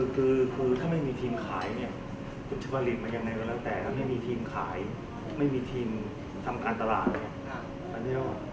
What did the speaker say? คือถ้าไม่มีทีมสามารถขายก็จะเป็นทีมทำการตราบ